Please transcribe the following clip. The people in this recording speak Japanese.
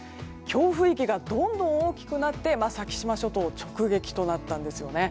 強風域がどんどん大きくなって先島諸島を直撃となったんですよね。